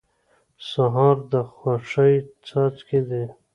سهار د خوښۍ څاڅکي دي.